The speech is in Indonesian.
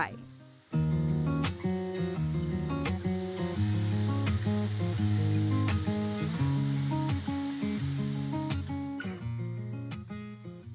air terjun sarasah murai